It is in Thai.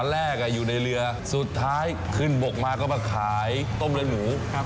แรกอยู่ในเรือสุดท้ายขึ้นบกมาก็มาขายต้มเลือดหมู